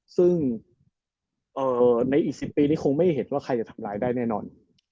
ซึ่งในอีก๑๐ปีนี้คงไม่เห็นว่าใครจะทำร้ายได้แน่นอน